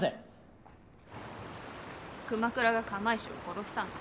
熊倉が釜石を殺したの。